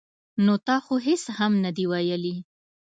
ـ نو تا خو هېڅ هم نه دي ویلي.